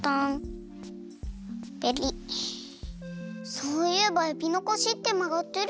そういえばえびの腰ってまがってるよね。